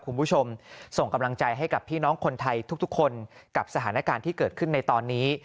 คุณผู้ชมส่งกำลังใจให้กับพี่น้องคนไทยทุกคนกับสถานการณ์ที่เกิดขึ้นในตอนนี้